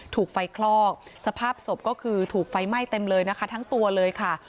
ถูกไฟคลอกสภาพศพก็คือถูกไฟไหม้เต็มเลยนะคะทั้งตัวเลยค่ะ